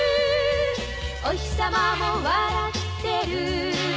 「おひさまも笑ってる」